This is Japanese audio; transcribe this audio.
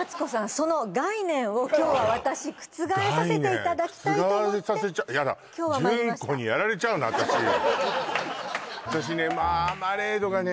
その概念を今日は私覆させていただきたいと思ってヤダ私ね